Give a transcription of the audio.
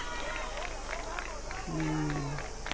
うん。